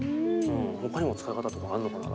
ほかにも使い方とかあるのかな？